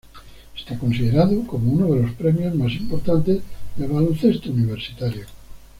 Está considerado como uno de los premios más importantes del baloncesto universitario.